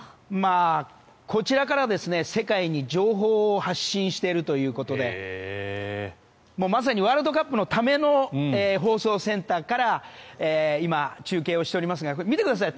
こちらから、世界に情報を発信しているということでまさにワールドカップのための放送センターから今、中継をしておりますが見てください。